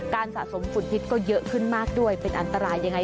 สะสมฝุ่นพิษก็เยอะขึ้นมากด้วยเป็นอันตรายยังไง